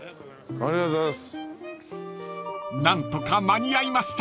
ありがとうございます。